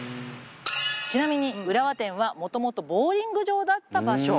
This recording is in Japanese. ちなみに浦和店はもともとボウリング場だった場所。